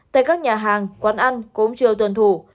tại các nhà hàng quán ăn cũng chưa tuần thủ